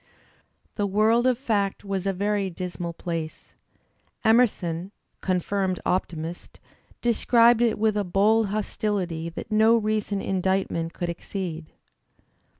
The world of fact was a very dismal place. Emerson, confirmed optimist, describes it with a bold hostility that no recent indictment could exceed.